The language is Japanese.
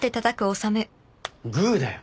グーだよ。